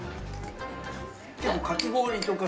結構かき氷とか